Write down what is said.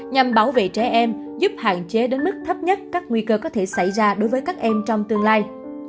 nhằm bảo vệ trẻ em giúp hạn chế đến mức thấp nhất các nguy cơ có thể xảy ra đối với các em trong tương lai